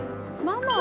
ママ。